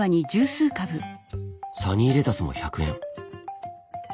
サニーレタスも１００円。